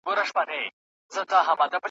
هره پاڼه يې غيرت دی .